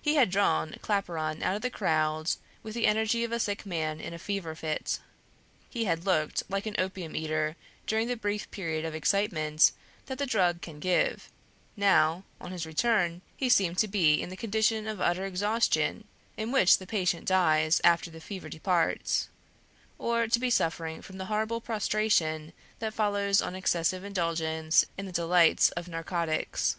He had drawn Claparon out of the crowd with the energy of a sick man in a fever fit; he had looked like an opium eater during the brief period of excitement that the drug can give; now, on his return, he seemed to be in the condition of utter exhaustion in which the patient dies after the fever departs, or to be suffering from the horrible prostration that follows on excessive indulgence in the delights of narcotics.